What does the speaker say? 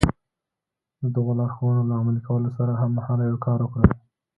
د دغو لارښوونو له عملي کولو سره هممهاله يو کار وکړئ.